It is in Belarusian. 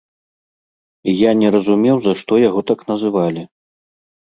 І я не разумеў, за што яго так называлі.